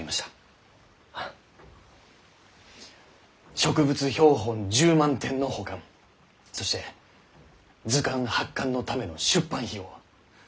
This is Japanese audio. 植物標本１０万点の保管そして図鑑発刊のための出版費用